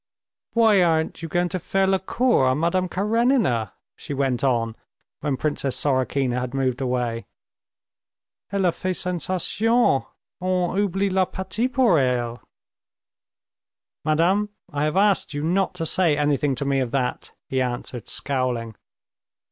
"Why aren't you going to faire la cour à Madame Karenina?" she went on, when Princess Sorokina had moved away. "Elle fait sensation. On oublie la Patti pour elle." "Maman, I have asked you not to say anything to me of that," he answered, scowling.